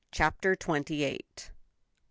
CHAPTER TWENTY EIGHTH.